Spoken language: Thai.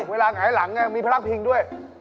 เวลาไหนหลังมีพระรักษณ์พิงด้วย